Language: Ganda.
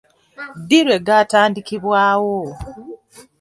Ddi lwe gaatandikibwawo?